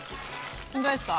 本当ですか？